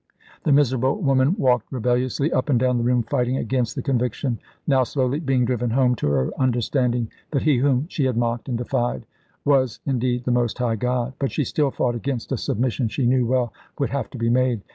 The miserable woman walked rebelliously up and down the room, fighting against the conviction now slowly being driven home to her understanding, that He whom she had mocked and defied was indeed the Most High God. But she still fought against a submission she knew well would have to be made.